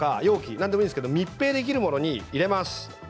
何でもいいんですが密閉できるものに入れます。